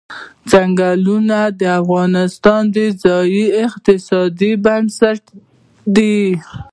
ځنګلونه د افغانستان د ځایي اقتصادونو بنسټ دی.